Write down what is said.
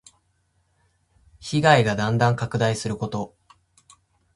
被害がだんだん拡大すること。